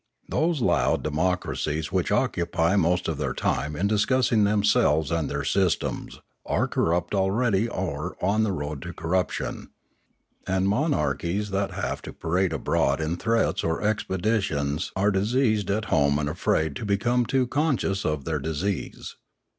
Those loud demo ' cracies which occupy most of their time in discussing themselves and their systems are corrupt already or on the road to corruption. Apd monarchies that have to parade abroad in threats or expeditions are diseased at home and afraid to become too conscious of their dis ease.